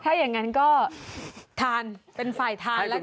ถ้าอย่างนั้นก็ทานเป็นฝ่ายทานแล้วกัน